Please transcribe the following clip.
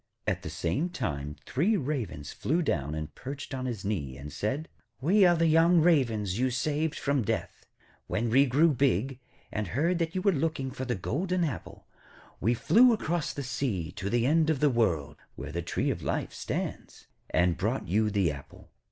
At the same time three Ravens flew down and perched on his knee, and said: 'We are the young Ravens you saved from death. When we grew big, and heard that you were looking for the golden apple, we flew across the sea to the end of the world, where the tree of life stands, and brought you the apple.'